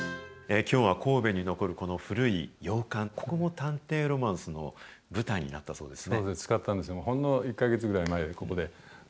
きょうは神戸に残るこの古い洋館、ここも探偵ロマンスの舞台になったそうですね。